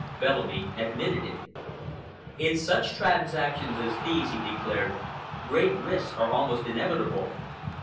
Bellamy admitted it. "In such transactions as these," he declared, "great risks are almost inevitable.